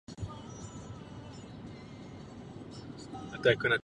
Ale již od samého počátku se mezi členy expedice objevují určité neshody a problémy.